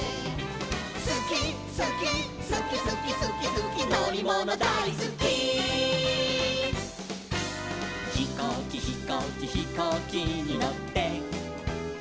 「すきすきすきすきすきすきのりものだいすき」「ひこうきひこうきひこうきにのって」